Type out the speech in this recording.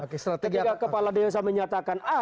ketika kepala desa menyatakan a